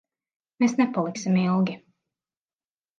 Mēs nepaliksim ilgi.